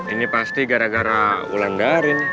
ini pasti gara gara ulang darin